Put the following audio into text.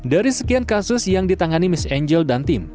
dari sekian kasus yang ditangani mes angel dan tim